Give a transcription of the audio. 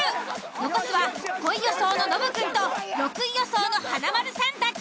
残すは５位予想のノブくんと６位予想の華丸さんだけ。